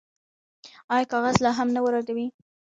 آیا کاغذ لا هم نه واردوي؟